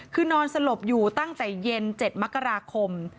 คือนอนสลบอยู่ตั้งแต่เย็น๗มกราคม